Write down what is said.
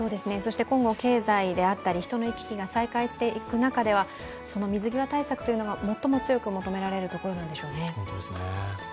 経済であったり、人の行き来が再開していく中では、その水際対策というのが最も強く求められるところなんでしょうね。